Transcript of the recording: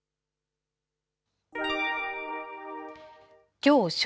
きょう正